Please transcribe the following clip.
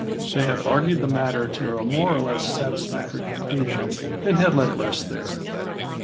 They had argued the matter to a more or less satisfactory conclusion, and had let it rest there.